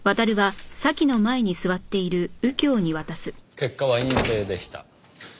結果は陰性でした。